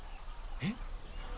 えっ？